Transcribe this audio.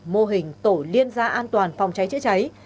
mô hình tổ liên gia an toàn phòng cháy chữa cháy